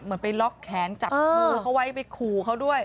ไปล็อกแขนจับมือเขาไว้ไปขู่เขาด้วย